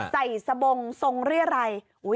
สบงทรงเรียรัย